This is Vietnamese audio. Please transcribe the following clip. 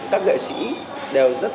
các nghệ sĩ